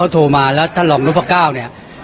โทรมาแล้วท่านรองนพก้าวเนี่ย